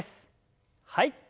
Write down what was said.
はい。